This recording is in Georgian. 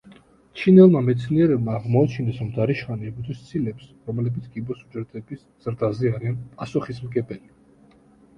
ჩინელმა მეცნიერებმა აღმოაჩინეს, რომ დარიშხანი ებრძვის ცილებს რომლებიც კიბოს უჯრედების ზრდაზე არიან პასუხისმგებელი.